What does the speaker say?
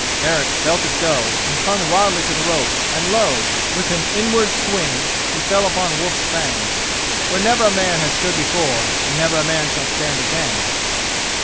Eric felt it go and clung wildly to the rope and lo! with the inward swing, he fell on Wolf's Fang, where never a man has stood before and never a man shall stand again.